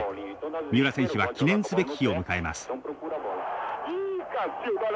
三浦選手は記念すべき日を迎えます。